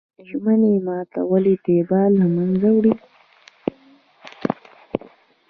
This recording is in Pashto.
ژمنې ماتول اعتبار له منځه وړي.